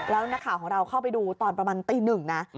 แล้วนักข่าวของเราเข้าไปดูตอนประมาณตีหนึ่งนะ